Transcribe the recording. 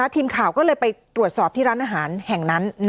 ทีมข่าวก็เลยไปตรวจสอบที่ร้านอาหารแห่งนั้น